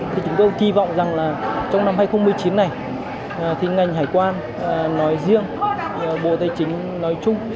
thì chúng tôi kỳ vọng rằng là trong năm hai nghìn một mươi chín này thì ngành hải quan nói riêng bộ tài chính nói chung